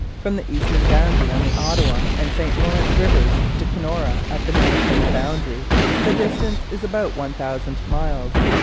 From the eastern boundary on the Ottawa and St Lawrence Rivers to Kenora at the Manitoba boundary, the distance is about 1000 miles.